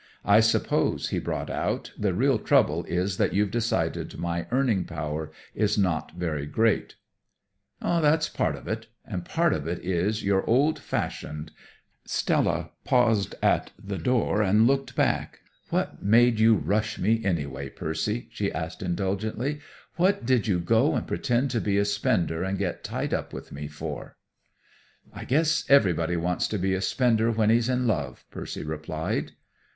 "I suppose," he brought out, "the real trouble is that you've decided my earning power is not very great." "That's part of it, and part of it is you're old fashioned." Stella paused at the door and looked back. "What made you rush me, anyway, Percy?" she asked indulgently. "What did you go and pretend to be a spender and get tied up with me for?" "I guess everybody wants to be a spender when he's in love," Percy replied.